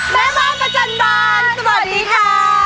แม่บ้านประจันบานสวัสดีค่ะ